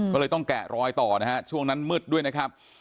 ก็เลยต้องแกะรอยต่อนะฮะช่วงนั้นมืดด้วยนะครับ